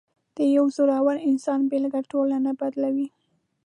د یو زړور انسان بېلګه ټولنه بدلوي.